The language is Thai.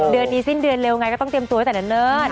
เดือนนี้สิ้นเดือนเร็วไงก็ต้องเตรียมตัวตั้งแต่เนิด